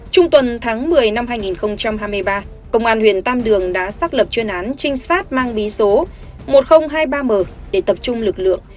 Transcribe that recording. trung tuần tháng một mươi năm hai nghìn hai mươi ba công an huyện tam đường đã xác lập chuyên án trinh sát mang bí số một nghìn hai mươi ba m để tập trung lực lượng